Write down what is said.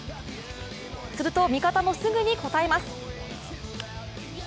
すると味方もすぐに応えます。